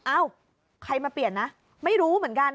เอ้าใครมาเปลี่ยนนะไม่รู้เหมือนกัน